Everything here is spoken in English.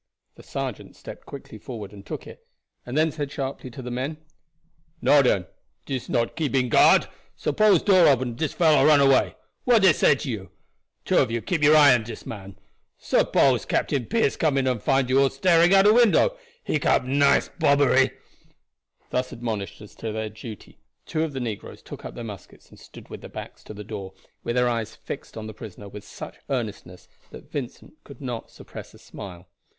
The sergeant stepped quickly forward and took it, and then said sharply to the men: "Now den, dis not keeping guard. Suppose door open and dis fellow run away. What dey say to you? Two of you keep your eye on dis man. Suppose Captain Pearce come in and find you all staring out window. He kick up nice bobbery." Thus admonished as to their duty, two of the negroes took up their muskets and stood with their backs to the door, with their eyes fixed on the prisoner with such earnestness that Vincent could not suppress a smile.